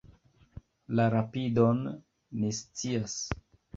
La rapidon ni scias.